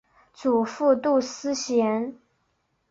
祖父杜思贤。